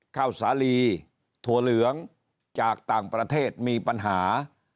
ข้าวสาลีถั่วเหลืองจากต่างประเทศมีปัญหา